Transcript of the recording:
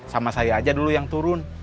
sama saya aja dulu yang turun